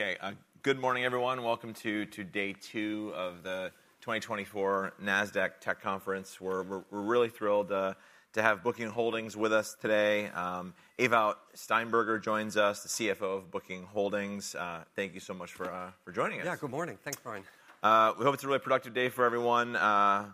Okay, good morning everyone. Welcome to day two of the 2024 Nasdaq Tech Conference. We're really thrilled to have Booking Holdings with us today. Ewout Steenbergen joins us, the CFO of Booking Holdings. Thank you so much for joining us. Yeah, good morning. Thanks for having me. We hope it's a really productive day for everyone.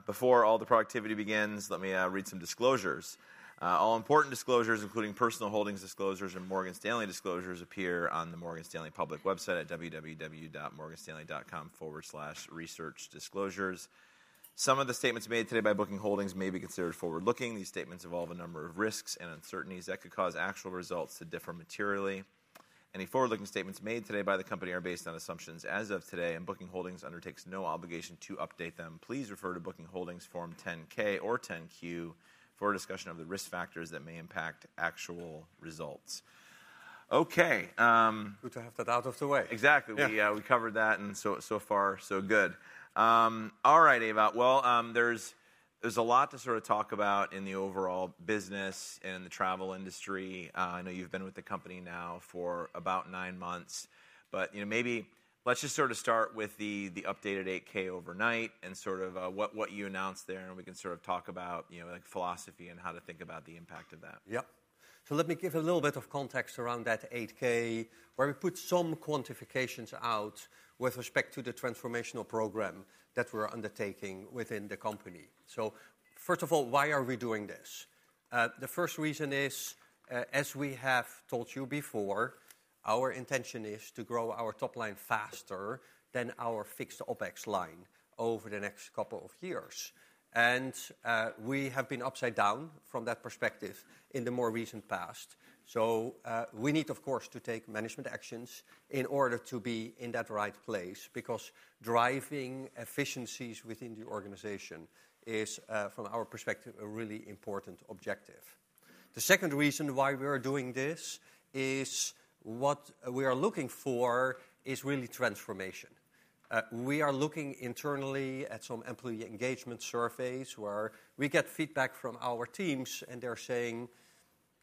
Before all the productivity begins, let me read some disclosures. All important disclosures, including personal holdings disclosures and Morgan Stanley disclosures, appear on the Morgan Stanley public website at www.morganstanley.com/researchdisclosures. Some of the statements made today by Booking Holdings may be considered forward-looking. These statements involve a number of risks and uncertainties that could cause actual results to differ materially. Any forward-looking statements made today by the company are based on assumptions as of today, and Booking Holdings undertakes no obligation to update them. Please refer to Booking Holdings Form 10-K or 10-Q for a discussion of the risk factors that may impact actual results. Okay. Good to have that out of the way. Exactly. We covered that, and so far, so good. All right, Ewout. Well, there's a lot to sort of talk about in the overall business and the travel industry. I know you've been with the company now for about nine months, but maybe let's just sort of start with the updated 8-K overnight and sort of what you announced there, and we can sort of talk about philosophy and how to think about the impact of that. Yep. So let me give a little bit of context around that 8-K, where we put some quantifications out with respect to the transformational program that we're undertaking within the company. So first of all, why are we doing this? The first reason is, as we have told you before, our intention is to grow our top line faster than our Fixed OPEX line over the next couple of years. And we have been upside down from that perspective in the more recent past. So we need, of course, to take management actions in order to be in that right place because driving efficiencies within the organization is, from our perspective, a really important objective. The second reason why we are doing this is what we are looking for is really transformation. We are looking internally at some employee engagement surveys where we get feedback from our teams, and they're saying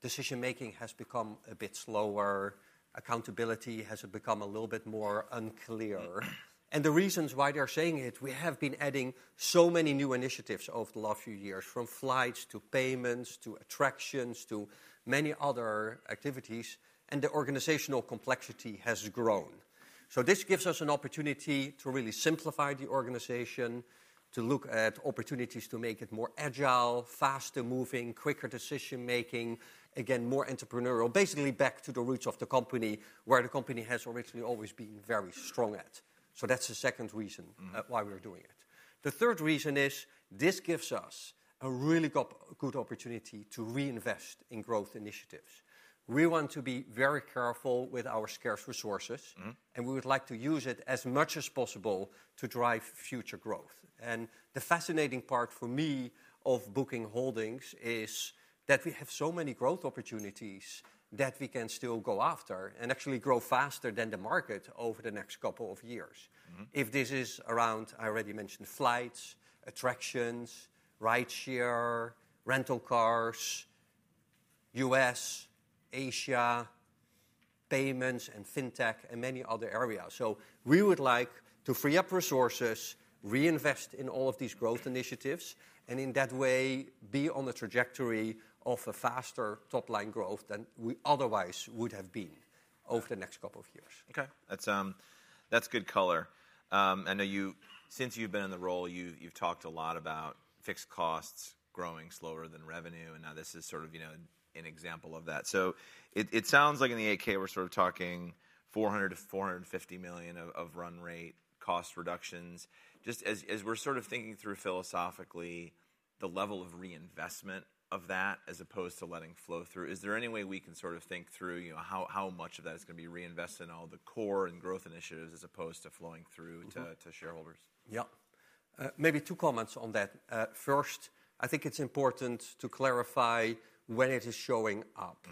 decision-making has become a bit slower, accountability has become a little bit more unclear, and the reasons why they're saying it, we have been adding so many new initiatives over the last few years, from flights to payments to attractions to many other activities, and the organizational complexity has grown, so this gives us an opportunity to really simplify the organization, to look at opportunities to make it more agile, faster-moving, quicker decision-making, again, more entrepreneurial, basically back to the roots of the company where the company has originally always been very strong at, so that's the second reason why we're doing it. The third reason is this gives us a really good opportunity to reinvest in growth initiatives. We want to be very careful with our scarce resources, and we would like to use it as much as possible to drive future growth. And the fascinating part for me of Booking Holdings is that we have so many growth opportunities that we can still go after and actually grow faster than the market over the next couple of years. If this is around, I already mentioned, flights, attractions, rideshare rental cars, U.S., Asia, payments, and fintech, and many other areas. So we would like to free up resources, reinvest in all of these growth initiatives, and in that way be on the trajectory of a faster top line growth than we otherwise would have been over the next couple of years. Okay. That's good color. I know since you've been in the role, you've talked a lot about fixed costs growing slower than revenue, and now this is sort of an example of that. So it sounds like in the 8-K, we're sort of talking $400 million-$450 million of run rate cost reductions. Just as we're sort of thinking through philosophically the level of reinvestment of that as opposed to letting flow through, is there any way we can sort of think through how much of that is going to be reinvested in all the core and growth initiatives as opposed to flowing through to shareholders? Yep. Maybe two comments on that. First, I think it's important to clarify when it is showing up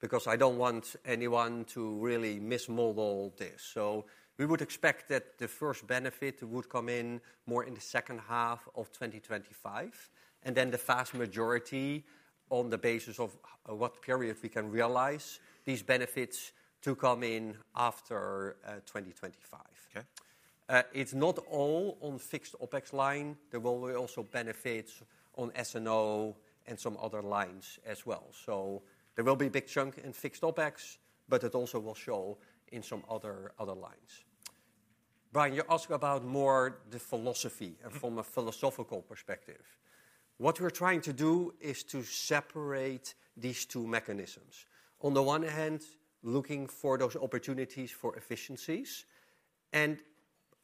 because I don't want anyone to really mismodel this. So we would expect that the first benefit would come in more in the second half of 2025, and then the vast majority on the basis of what period we can realize these benefits to come in after 2025. It's not all on fixed OpEx line. There will be also benefits on S&O and some other lines as well. So there will be a big chunk in fixed OpEx, but it also will show in some other lines. Brian, you asked about more the philosophy and from a philosophical perspective. What we're trying to do is to separate these two mechanisms. On the one hand, looking for those opportunities for efficiencies, and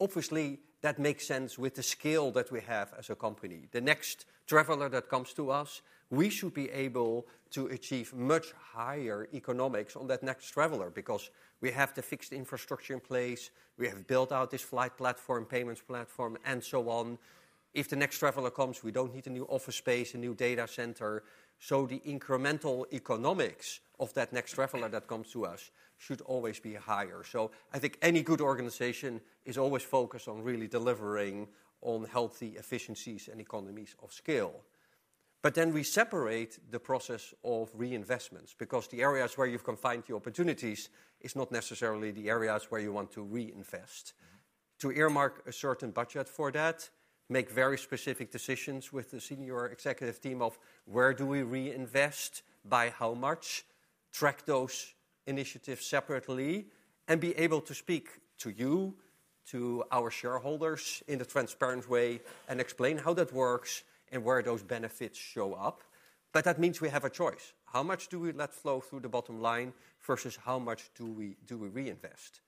obviously that makes sense with the scale that we have as a company. The next traveler that comes to us, we should be able to achieve much higher economics on that next traveler because we have the fixed infrastructure in place. We have built out this flight platform, payments platform, and so on. If the next traveler comes, we don't need a new office space, a new data center. So the incremental economics of that next traveler that comes to us should always be higher. So I think any good organization is always focused on really delivering on healthy efficiencies and economies of scale. But then we separate the process of reinvestments because the areas where you've identified the opportunities is not necessarily the areas where you want to reinvest. To earmark a certain budget for that, make very specific decisions with the senior executive team of where do we reinvest, by how much, track those initiatives separately, and be able to speak to you, to our shareholders in a transparent way and explain how that works and where those benefits show up. But that means we have a choice. How much do we let flow through the bottom line versus how much do we reinvest?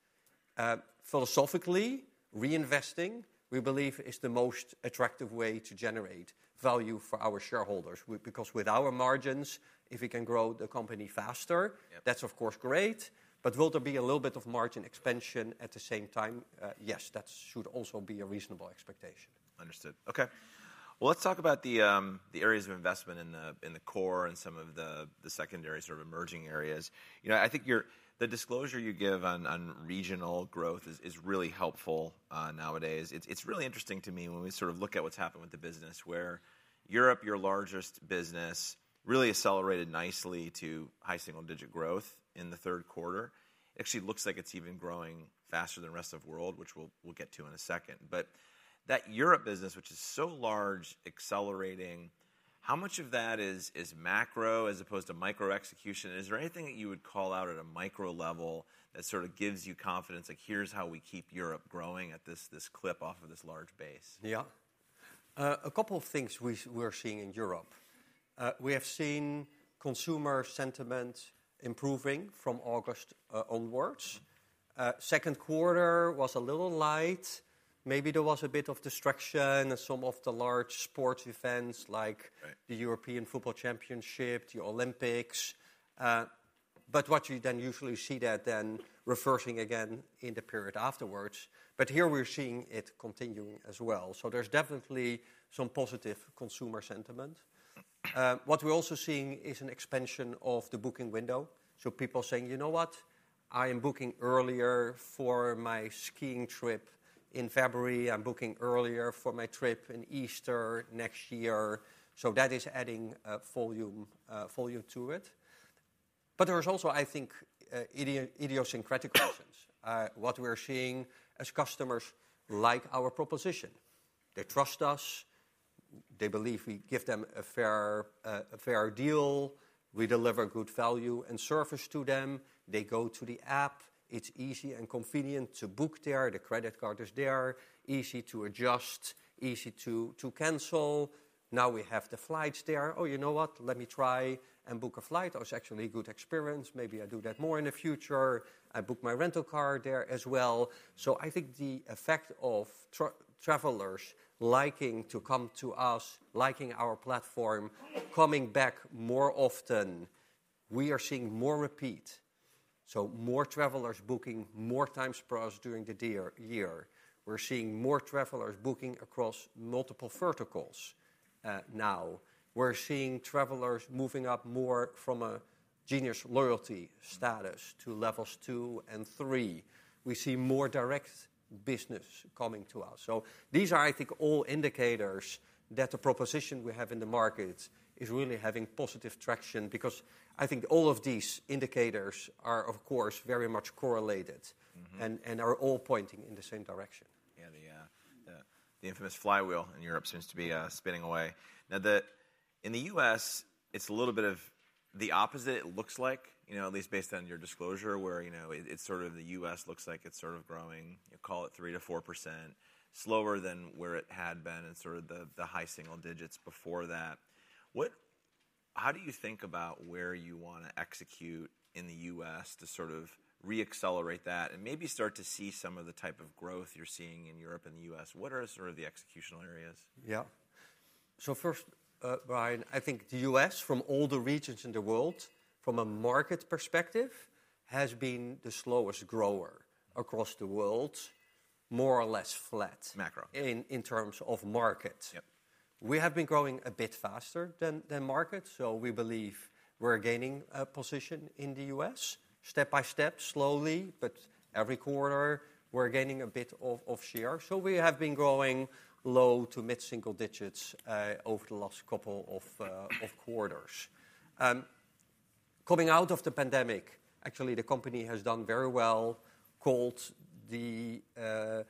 Philosophically, reinvesting, we believe, is the most attractive way to generate value for our shareholders because with our margins, if we can grow the company faster, that's of course great, but will there be a little bit of margin expansion at the same time? Yes, that should also be a reasonable expectation. Understood. Okay, well, let's talk about the areas of investment in the core and some of the secondary sort of emerging areas. I think the disclosure you give on regional growth is really helpful nowadays. It's really interesting to me when we sort of look at what's happened with the business where Europe, your largest business, really accelerated nicely to high single-digit growth in the third quarter. It actually looks like it's even growing faster than the rest of the world, which we'll get to in a second. But that Europe business, which is so large, accelerating, how much of that is macro as opposed to micro execution? Is there anything that you would call out at a micro level that sort of gives you confidence, like, here's how we keep Europe growing at this clip off of this large base? Yeah. A couple of things we're seeing in Europe. We have seen consumer sentiment improving from August onwards. Second quarter was a little light. Maybe there was a bit of destruction in some of the large sports events like the European Football Championship, the Olympics, but what you then usually see is that then reversing again in the period afterwards, but here we're seeing it continuing as well, so there's definitely some positive consumer sentiment. What we're also seeing is an expansion of the booking window, so people saying, you know what, I am booking earlier for my skiing trip in February. I'm booking earlier for my trip in Easter next year, so that is adding volume to it, but there's also, I think, idiosyncratic questions. What we're seeing is customers like our proposition. They trust us. They believe we give them a fair deal. We deliver good value and service to them. They go to the app. It's easy and convenient to book there. The credit card is there. Easy to adjust, easy to cancel. Now we have the flights there. Oh, you know what, let me try and book a flight. That was actually a good experience. Maybe I do that more in the future. I book my rental car there as well. So I think the effect of travelers liking to come to us, liking our platform, coming back more often, we are seeing more repeat. So more travelers booking more times per user during the year. We're seeing more travelers booking across multiple verticals now. We're seeing travelers moving up more from a Genius loyalty status to levels two and three. We see more direct business coming to us. So these are, I think, all indicators that the proposition we have in the market is really having positive traction because I think all of these indicators are, of course, very much correlated and are all pointing in the same direction. Yeah, the infamous flywheel in Europe seems to be spinning away. Now, in the U.S., it's a little bit of the opposite, it looks like, at least based on your disclosure, where it's sort of the U.S. looks like it's sort of growing, call it 3%-4% slower than where it had been and sort of the high single digits before that. How do you think about where you want to execute in the U.S. to sort of re-accelerate that and maybe start to see some of the type of growth you're seeing in Europe and the U.S.? What are sort of the executional areas? Yeah. So first, Brian, I think the U.S., from all the regions in the world, from a market perspective, has been the slowest grower across the world, more or less flat. Macro. In terms of market, we have been growing a bit faster than market, so we believe we're gaining a position in the U.S. step by step, slowly, but every quarter we're gaining a bit of share, so we have been growing low- to mid-single digits over the last couple of quarters. Coming out of the pandemic, actually, the company has done very well, caught really the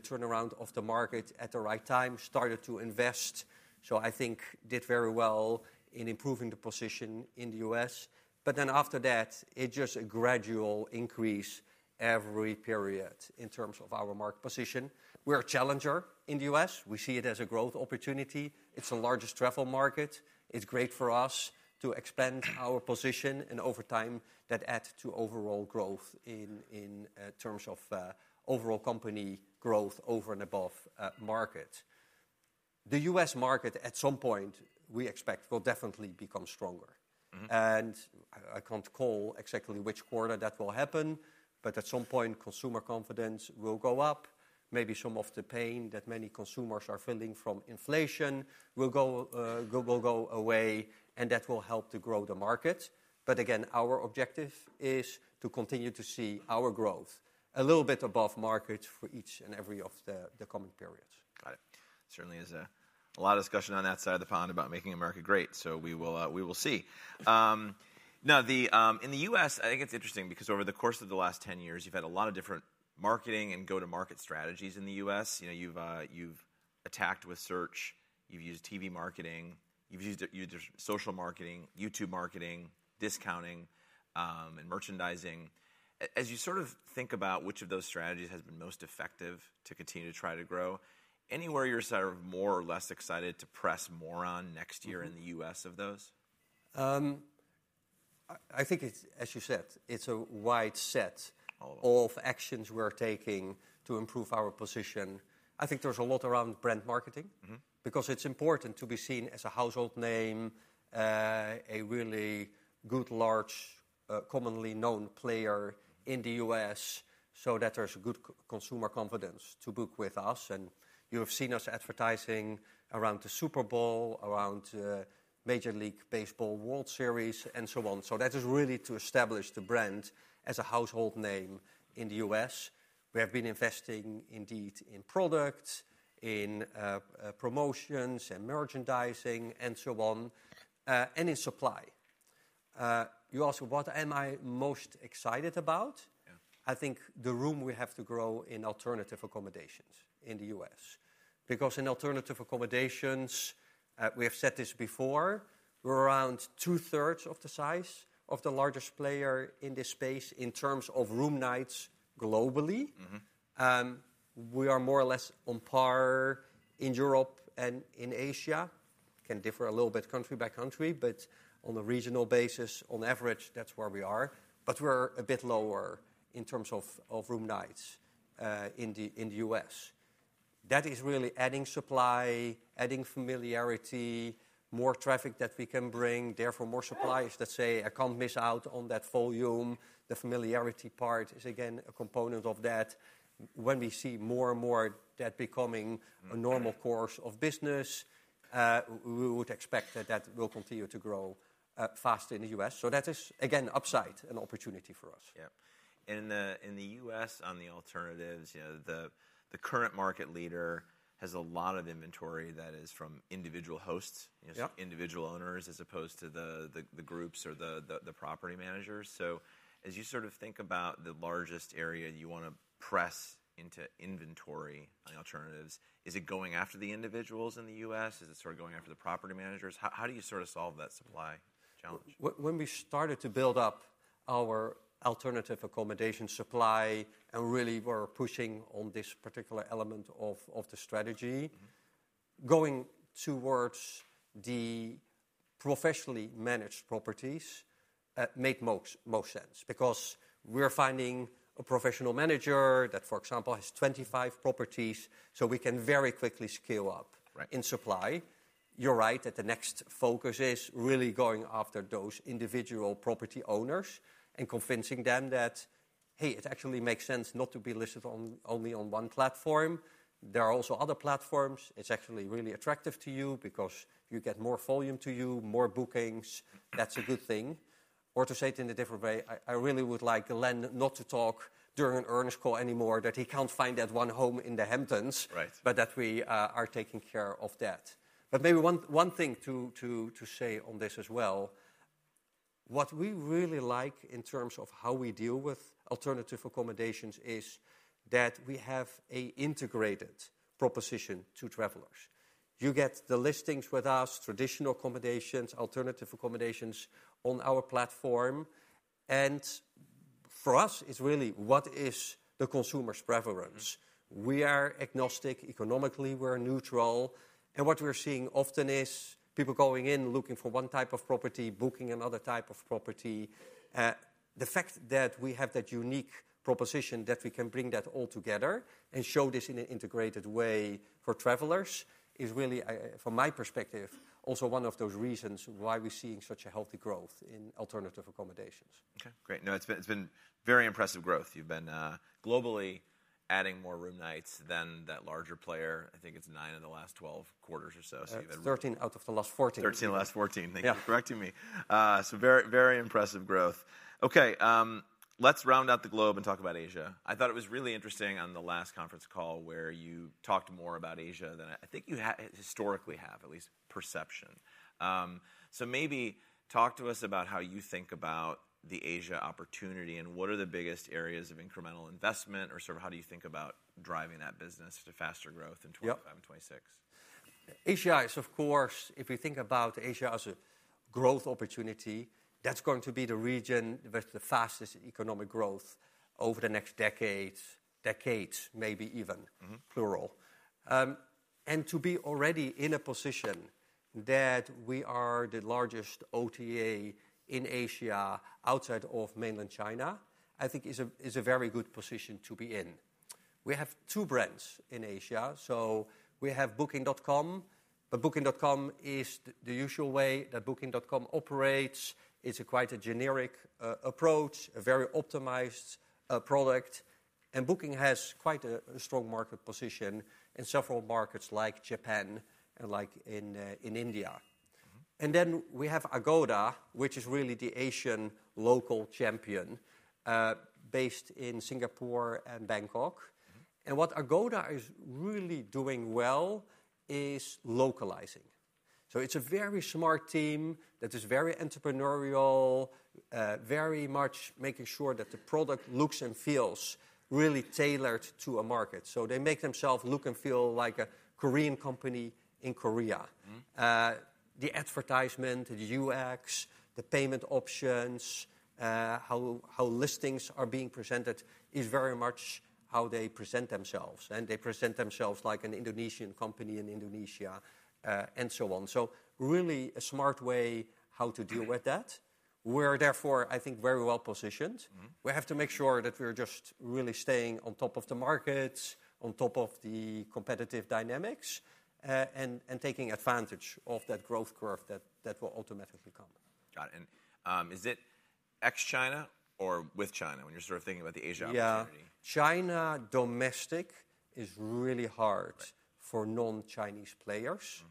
turnaround of the market at the right time, started to invest, so I think did very well in improving the position in the U.S., but then after that, it's just a gradual increase every period in terms of our market position. We're a challenger in the U.S. We see it as a growth opportunity. It's the largest travel market. It's great for us to expand our position, and over time that adds to overall growth in terms of overall company growth over and above market. The U.S. market, at some point, we expect will definitely become stronger. And I can't call exactly which quarter that will happen, but at some point, consumer confidence will go up. Maybe some of the pain that many consumers are feeling from inflation will go away, and that will help to grow the market. But again, our objective is to continue to see our growth a little bit above markets for each and every of the coming periods. Got it. Certainly is a lot of discussion on that side of the pond about making America great. So we will see. Now, in the U.S., I think it's interesting because over the course of the last 10 years, you've had a lot of different marketing and go-to-market strategies in the U.S. You've attacked with search. You've used TV marketing. You've used social marketing, YouTube marketing, discounting, and merchandising. As you sort of think about which of those strategies has been most effective to continue to try to grow, anywhere you're sort of more or less excited to press more on next year in the U.S. of those? I think, as you said, it's a wide set of actions we're taking to improve our position. I think there's a lot around brand marketing because it's important to be seen as a household name, a really good, large, commonly known player in the U.S. so that there's good consumer confidence to book with us. And you have seen us advertising around the Super Bowl, around Major League Baseball World Series, and so on. So that is really to establish the brand as a household name in the U.S. We have been investing indeed in products, in promotions and merchandising, and so on, and in supply. You asked what am I most excited about? I think the room we have to grow in alternative accommodations in the U.S. because in alternative accommodations, we have said this before, we're around two-thirds of the size of the largest player in this space in terms of room nights globally. We are more or less on par in Europe and in Asia. Can differ a little bit country by country, but on a regional basis, on average, that's where we are. But we're a bit lower in terms of room nights in the U.S. That is really adding supply, adding familiarity, more traffic that we can bring, therefore more supply. If, let's say, I can't miss out on that volume, the familiarity part is again a component of that. When we see more and more that becoming a normal course of business, we would expect that that will continue to grow fast in the U.S. So that is, again, upside and opportunity for us. Yeah. In the U.S., on the alternatives, the current market leader has a lot of inventory that is from individual hosts, individual owners as opposed to the groups or the property managers. So as you sort of think about the largest area you want to press into inventory on the alternatives, is it going after the individuals in the U.S.? Is it sort of going after the property managers? How do you sort of solve that supply challenge? When we started to build up our alternative accommodation supply and really were pushing on this particular element of the strategy, going towards the professionally managed properties made most sense because we're finding a professional manager that, for example, has 25 properties, so we can very quickly scale up in supply. You're right that the next focus is really going after those individual property owners and convincing them that, hey, it actually makes sense not to be listed only on one platform. There are also other platforms. It's actually really attractive to you because you get more volume to you, more bookings. That's a good thing. Or to say it in a different way, I really would like Glenn not to talk during an earnings call anymore that he can't find that one home in the Hamptons, but that we are taking care of that. Maybe one thing to say on this as well, what we really like in terms of how we deal with alternative accommodations is that we have an integrated proposition to travelers. You get the listings with us, traditional accommodations, alternative accommodations on our platform. For us, it's really what is the consumer's preference. We are agnostic economically. We're neutral. What we're seeing often is people going in looking for one type of property, booking another type of property. The fact that we have that unique proposition that we can bring that all together and show this in an integrated way for travelers is really, from my perspective, also one of those reasons why we're seeing such a healthy growth in alternative accommodations. Okay. Great. No, it's been very impressive growth. You've been globally adding more room nights than that larger player. I think it's nine in the last 12 quarters or so. 13 out of the last 14. 13 of the last 14. Thank you for correcting me. So very impressive growth. Okay. Let's round out the globe and talk about Asia. I thought it was really interesting on the last conference call where you talked more about Asia than I think you historically have, at least perception. So maybe talk to us about how you think about the Asia opportunity and what are the biggest areas of incremental investment or sort of how do you think about driving that business to faster growth in 2025 and 2026? Asia, of course. If we think about Asia as a growth opportunity, that's going to be the region with the fastest economic growth over the next decades, decades maybe even plural. To be already in a position that we are the largest OTA in Asia outside of mainland China, I think is a very good position to be in. We have two brands in Asia. So we have Booking.com, but Booking.com is the usual way that Booking.com operates. It's quite a generic approach, a very optimized product. Booking has quite a strong market position in several markets like Japan and like in India. Then we have Agoda, which is really the Asian local champion based in Singapore and Bangkok. What Agoda is really doing well is localizing. So it's a very smart team that is very entrepreneurial, very much making sure that the product looks and feels really tailored to a market. So they make themselves look and feel like a Korean company in Korea. The advertisement, the UX, the payment options, how listings are being presented is very much how they present themselves. And they present themselves like an Indonesian company in Indonesia and so on. So really a smart way how to deal with that. We're therefore, I think, very well positioned. We have to make sure that we're just really staying on top of the markets, on top of the competitive dynamics, and taking advantage of that growth curve that will automatically come. Got it. And is it ex-China or with China when you're sort of thinking about the Asia opportunity? Yeah. China domestic is really hard for non-Chinese players.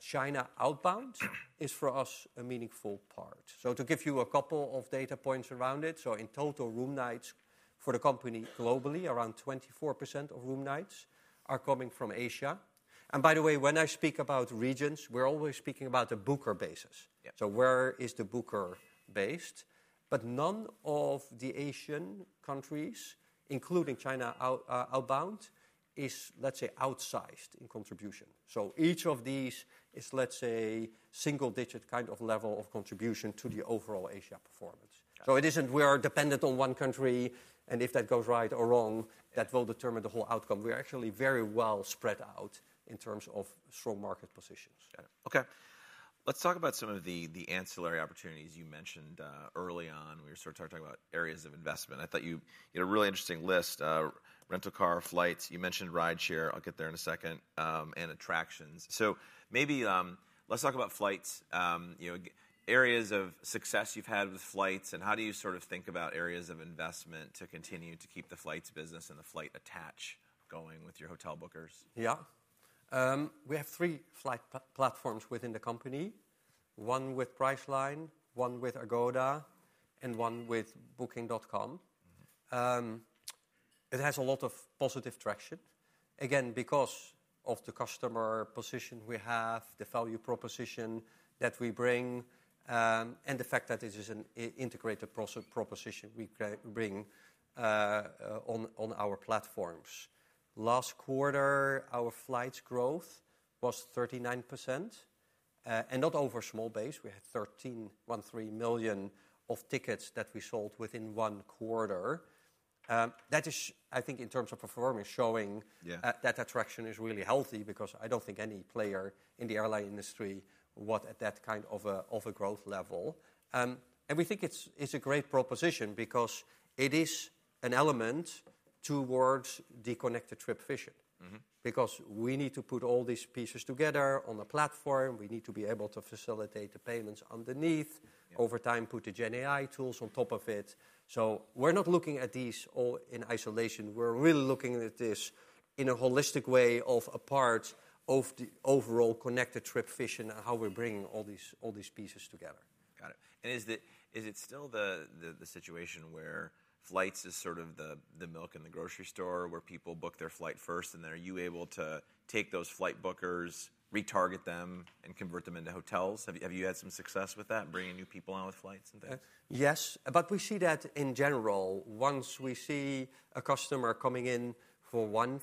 China outbound is for us a meaningful part. So to give you a couple of data points around it, so in total, room nights for the company globally, around 24% of room nights are coming from Asia. And by the way, when I speak about regions, we're always speaking about the booker basis. So where is the booker based? But none of the Asian countries, including China outbound, is, let's say, outsized in contribution. So each of these is, let's say, single-digit kind of level of contribution to the overall Asia performance. So it isn't we are dependent on one country, and if that goes right or wrong, that will determine the whole outcome. We're actually very well spread out in terms of strong market positions. Okay. Let's talk about some of the ancillary opportunities you mentioned early on when you were sort of talking about areas of investment. I thought you had a really interesting list, rental car, flights. You mentioned rideshare. I'll get there in a second, and attractions. So maybe let's talk about flights, areas of success you've had with flights, and how do you sort of think about areas of investment to continue to keep the flights business and the flight attach going with your hotel bookers? Yeah. We have three flight platforms within the company, one with Priceline, one with Agoda, and one with Booking.com. It has a lot of positive traction, again, because of the customer position we have, the value proposition that we bring, and the fact that this is an integrated proposition we bring on our platforms. Last quarter, our flights growth was 39%, and not over a small base. We had 13.13 million of tickets that we sold within one quarter. That is, I think, in terms of performance, showing that attraction is really healthy because I don't think any player in the airline industry would want at that kind of a growth level. And we think it's a great proposition because it is an element towards the connected trip vision because we need to put all these pieces together on the platform. We need to be able to facilitate the payments underneath, over time, put the GenAI tools on top of it, so we're not looking at these all in isolation. We're really looking at this in a holistic way of a part of the overall connected trip vision and how we're bringing all these pieces together. Got it. And is it still the situation where flights is sort of the milk in the grocery store where people book their flight first, and then are you able to take those flight bookers, retarget them, and convert them into hotels? Have you had some success with that, bringing new people on with flights and things? Yes. But we see that in general, once we see a customer coming in for one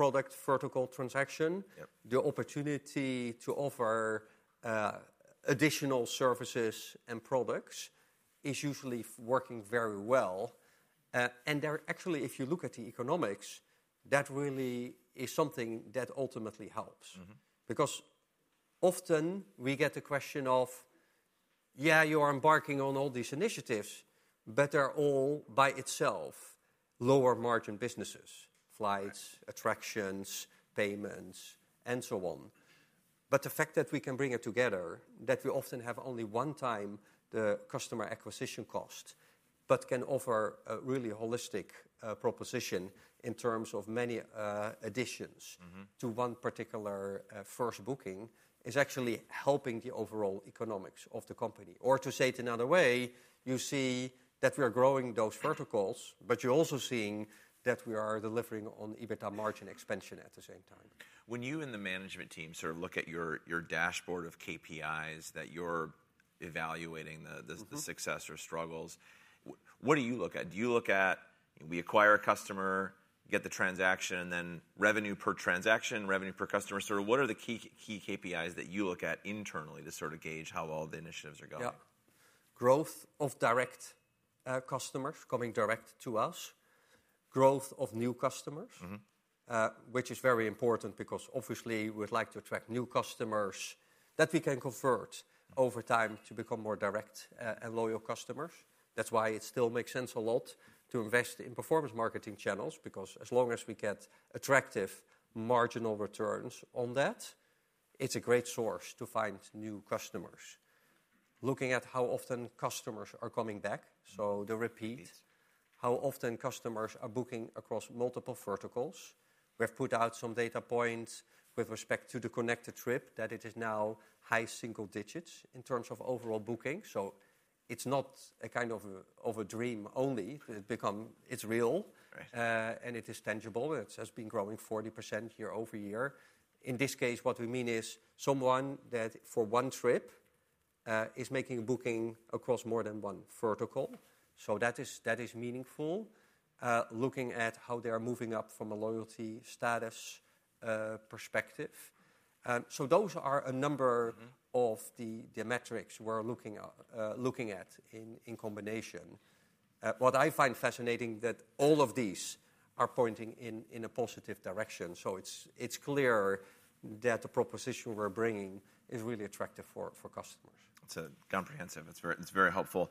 product vertical transaction, the opportunity to offer additional services and products is usually working very well. And actually, if you look at the economics, that really is something that ultimately helps because often we get the question of, yeah, you are embarking on all these initiatives, but they're all by itself lower margin businesses, flights, attractions, payments, and so on. But the fact that we can bring it together, that we often have only one time the customer acquisition cost, but can offer a really holistic proposition in terms of many additions to one particular first booking is actually helping the overall economics of the company. Or to say it another way, you see that we are growing those verticals, but you're also seeing that we are delivering on EBITDA margin expansion at the same time. When you and the management team sort of look at your dashboard of KPIs that you're evaluating, the success or struggles, what do you look at? Do you look at we acquire a customer, get the transaction, and then revenue per transaction, revenue per customer? Sort of what are the key KPIs that you look at internally to sort of gauge how all the initiatives are going? Yeah. Growth of direct customers coming direct to us, growth of new customers, which is very important because obviously we'd like to attract new customers that we can convert over time to become more direct and loyal customers. That's why it still makes sense a lot to invest in performance marketing channels because as long as we get attractive marginal returns on that, it's a great source to find new customers. Looking at how often customers are coming back, so the repeat, how often customers are booking across multiple verticals. We have put out some data points with respect to the connected trip that it is now high single digits in terms of overall booking, so it's not a kind of a dream only. It's real, and it is tangible. It has been growing 40% year over year. In this case, what we mean is someone that for one trip is making a booking across more than one vertical. So that is meaningful, looking at how they are moving up from a loyalty status perspective. So those are a number of the metrics we're looking at in combination. What I find fascinating is that all of these are pointing in a positive direction. So it's clear that the proposition we're bringing is really attractive for customers. It's comprehensive. It's very helpful.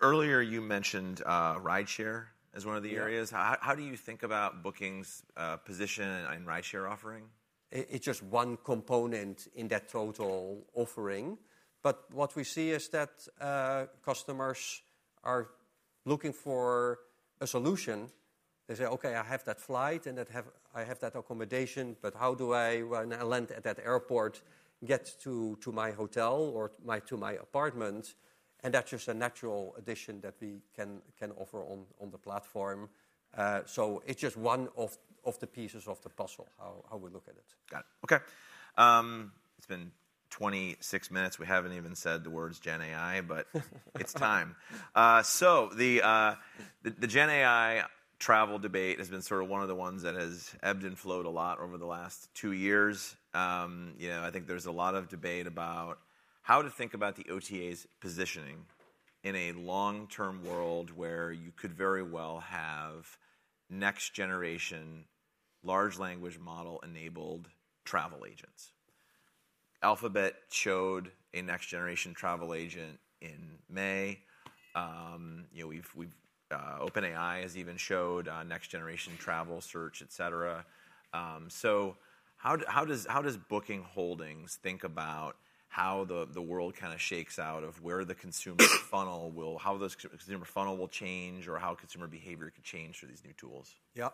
Earlier, you mentioned rideshare as one of the areas. How do you think about Booking's position and rideshare offering? It's just one component in that total offering. But what we see is that customers are looking for a solution. They say, "Okay, I have that flight and I have that accommodation, but how do I, when I land at that airport, get to my hotel or to my apartment?" And that's just a natural addition that we can offer on the platform. So it's just one of the pieces of the puzzle, how we look at it. Got it. Okay. It's been 26 minutes. We haven't even said the words GenAI, but it's time. So the GenAI travel debate has been sort of one of the ones that has ebbed and flowed a lot over the last two years. I think there's a lot of debate about how to think about the OTA's positioning in a long-term world where you could very well have next-generation large language model-enabled travel agents. Alphabet showed a next-generation travel agent in May. OpenAI has even showed next-generation travel search, et cetera. So how does Booking Holdings think about how the world kind of shakes out of where the consumer funnel will, how the consumer funnel will change, or how consumer behavior could change through these new tools? Yeah.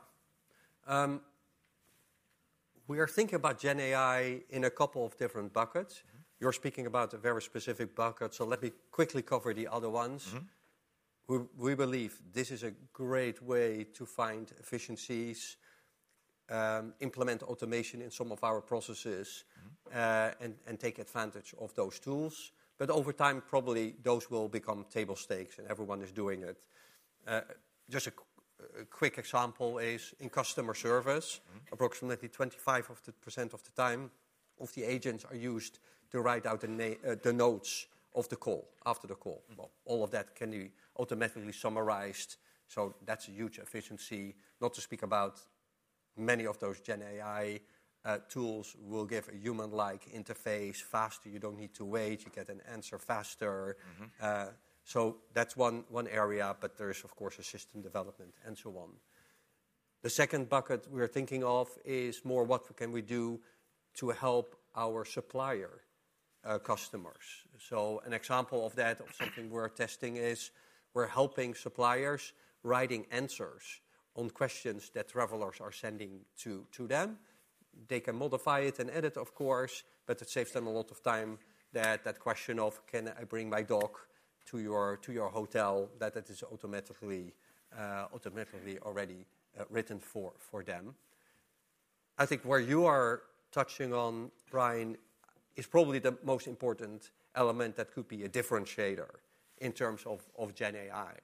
We are thinking about GenAI in a couple of different buckets. You're speaking about a very specific bucket, so let me quickly cover the other ones. We believe this is a great way to find efficiencies, implement automation in some of our processes, and take advantage of those tools. But over time, probably those will become table stakes, and everyone is doing it. Just a quick example is in customer service, approximately 25% of the time of the agents are used to write out the notes of the call after the call. Well, all of that can be automatically summarized. So that's a huge efficiency. Not to speak about many of those GenAI tools will give a human-like interface. Faster, you don't need to wait. You get an answer faster. So that's one area, but there is, of course, assistant development and so on. The second bucket we're thinking of is more what can we do to help our supplier customers, so an example of that, of something we're testing is we're helping suppliers writing answers on questions that travelers are sending to them. They can modify it and edit, of course, but it saves them a lot of time. That question of, "Can I bring my dog to your hotel?" That is automatically already written for them. I think where you are touching on, Brian, is probably the most important element that could be a differentiator in terms of GenAI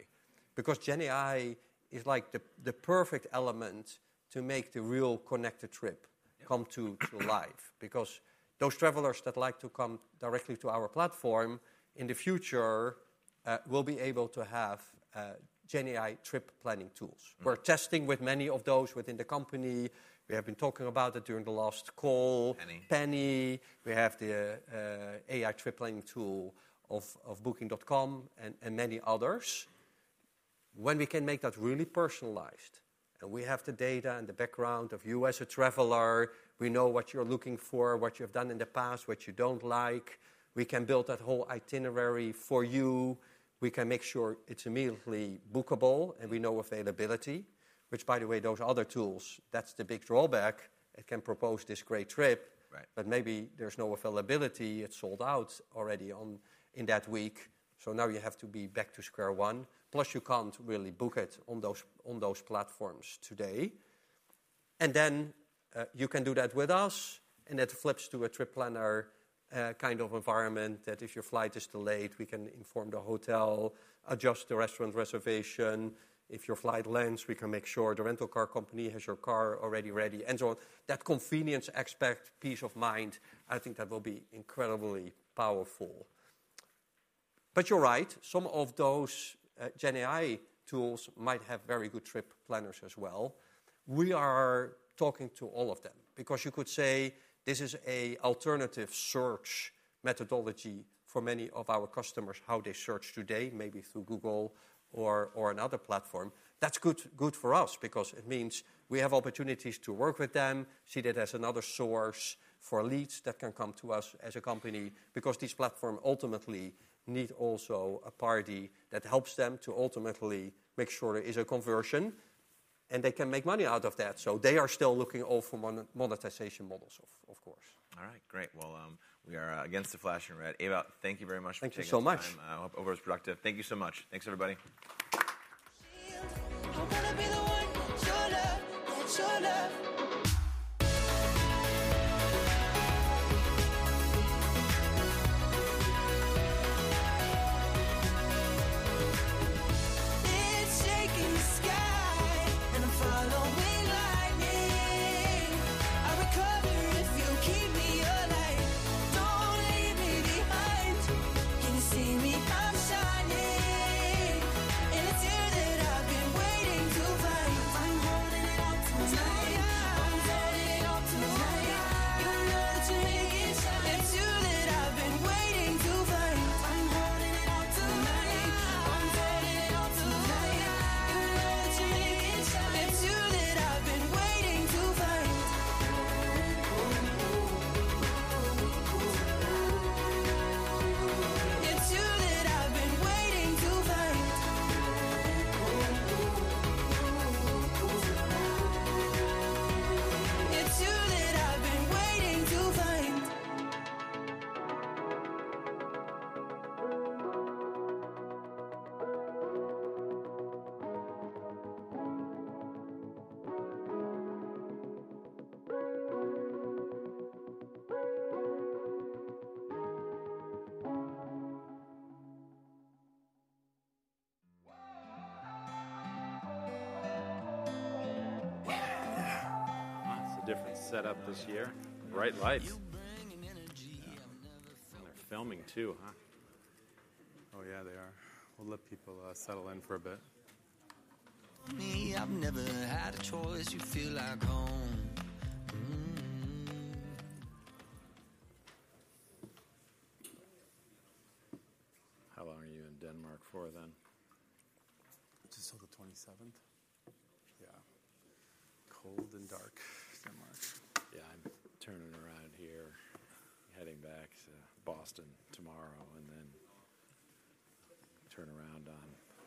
because GenAI is like the perfect element to make the real connected trip come to life because those travelers that like to come directly to our platform in the future will be able to have GenAI trip planning tools. We're testing with many of those within the company. We have been talking about it during the last call. Penny. Penny. We have the AI trip planning tool of Booking.com and many others. When we can make that really personalized and we have the data and the background of you as a traveler, we know what you're looking for, what you've done in the past, what you don't like, we can build that whole itinerary for you. We can make sure it's immediately bookable and we know availability, which, by the way, those other tools, that's the big drawback. It can propose this great trip, but maybe there's no availability. It's sold out already in that week. So now you have to be back to square one. Plus, you can't really book it on those platforms today. And then you can do that with us, and that flips to a trip planner kind of environment that if your flight is delayed, we can inform the hotel, adjust the restaurant reservation. If your flight lands, we can make sure the rental car company has your car already ready, and so on. That convenience aspect, peace of mind, I think that will be incredibly powerful. But you're right. Some of those GenAI tools might have very good trip planners as well. We are talking to all of them because you could say this is an alternative search methodology for many of our customers, how they search today, maybe through Google or another platform. That's good for us because it means we have opportunities to work with them, see that as another source for leads that can come to us as a company because these platforms ultimately need also a party that helps them to ultimately make sure there is a conversion, and they can make money out of that. So they are still looking all for monetization models, of course. All right. Great. We're at the end of our time. Ewout, thank you very much for taking the time. Thank you so much. I hope it was productive. Thank you so much. Thanks, everybody.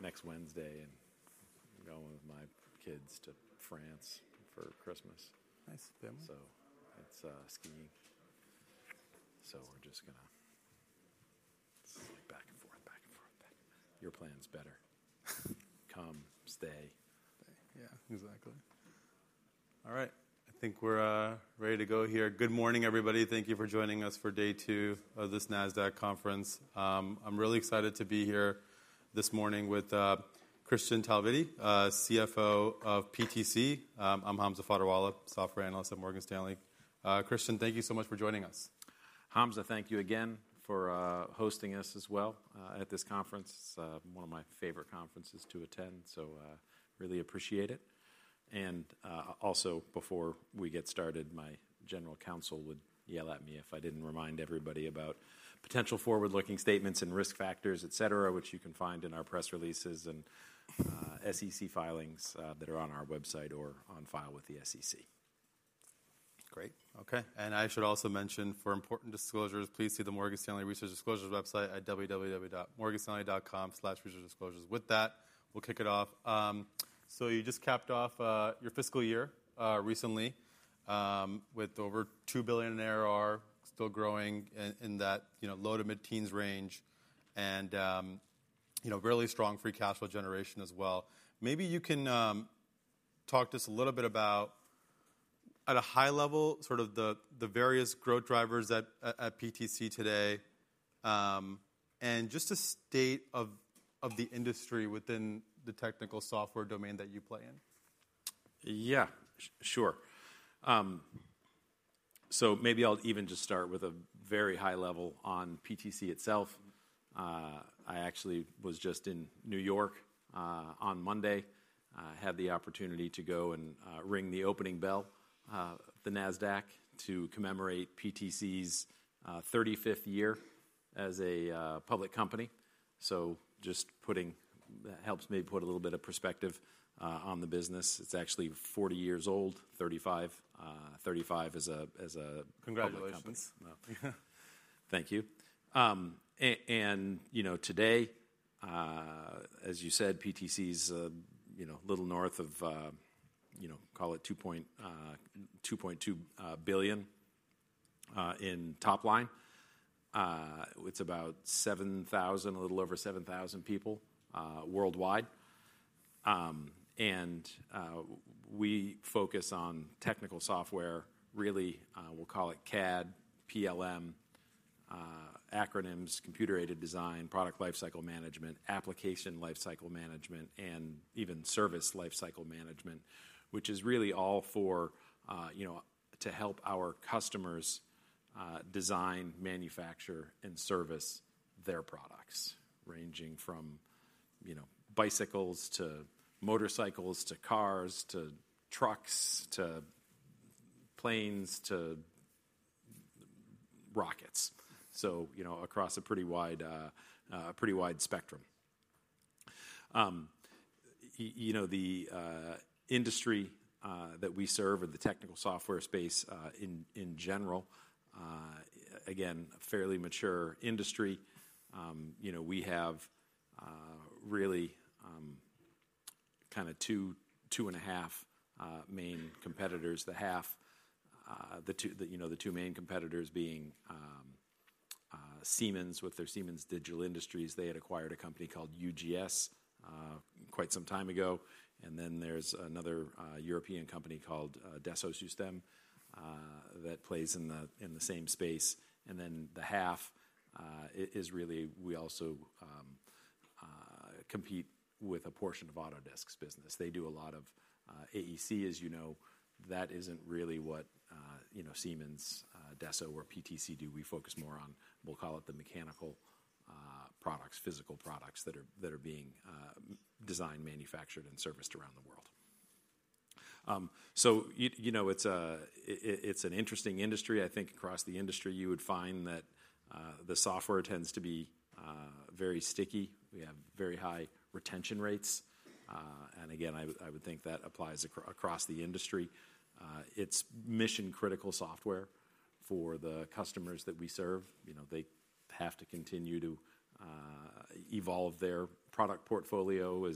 How long are you in Denmark for then? Until the 27th. Yeah. Cold and dark Denmark. Yeah, I'm turning around here, heading back to Boston tomorrow, and then turn around on next Wednesday and going with my kids to France for Christmas. Nice. So it's skiing. So we're just going to go back and forth. Your plan's better. Come, stay. Yeah, exactly. All right. I think we're ready to go here. Good morning, everybody. Thank you for joining us for day two of this Nasdaq conference. I'm really excited to be here this morning with Kristian Talvitie, CFO of PTC. I'm Hamza Fodderwala, software analyst at Morgan Stanley. Christian, thank you so much for joining us. Hamza, thank you again for hosting us as well at this conference. It's one of my favorite conferences to attend, so really appreciate it. And also, before we get started, my general counsel would yell at me if I didn't remind everybody about potential forward-looking statements and risk factors, et cetera, which you can find in our press releases and SEC filings that are on our website or on file with the SEC. Great. Okay. And I should also mention, for important disclosures, please see the Morgan Stanley Research Disclosures website at www.morganstanley.com/researchdisclosures. With that, we'll kick it off. So you just capped off your fiscal year recently with over $2 billion in ARR, still growing in that low to mid-teens range, and really strong free cash flow generation as well. Maybe you can talk to us a little bit about, at a high level, sort of the various growth drivers at PTC today and just a state of the industry within the technical software domain that you play in. Yeah, sure. So maybe I'll even just start with a very high level on PTC itself. I actually was just in New York on Monday, had the opportunity to go and ring the opening bell at the Nasdaq to commemorate PTC's 35th year as a public company. So just putting that helps me put a little bit of perspective on the business. It's actually 40 years old, 35. 35 is a. Congratulations. Thank you, and today, as you said, PTC's a little north of, call it $2.2 billion in top line. It's about 7,000, a little over 7,000 people worldwide, and we focus on technical software, really. We'll call it CAD, PLM, acronyms, computer-aided design, product lifecycle management, application lifecycle management, and even service lifecycle management, which is really all to help our customers design, manufacture, and service their products, ranging from bicycles to motorcycles to cars to trucks to planes to rockets, so across a pretty wide spectrum. The industry that we serve in the technical software space in general, again, a fairly mature industry. We have really kind of two and a half main competitors, the two main competitors being Siemens with their Siemens Digital Industries. They had acquired a company called UGS quite some time ago. And then there's another European company called Dassault Systèmes that plays in the same space. And then the half is really we also compete with a portion of Autodesk's business. They do a lot of AEC, as you know. That isn't really what Siemens, Dassault, or PTC do. We focus more on, we'll call it the mechanical products, physical products that are being designed, manufactured, and serviced around the world. So it's an interesting industry. I think across the industry, you would find that the software tends to be very sticky. We have very high retention rates. And again, I would think that applies across the industry. It's mission-critical software for the customers that we serve. They have to continue to evolve their product portfolio.